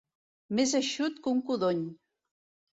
Més eixut que un codony.